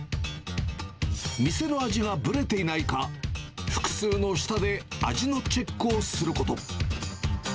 店の味がぶれていないか、複数の人で味のチェックをすること。